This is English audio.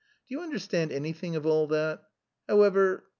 Do you understand anything of all that? However...